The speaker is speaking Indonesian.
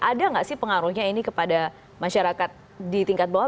ada nggak sih pengaruhnya ini kepada masyarakat di tingkat bawah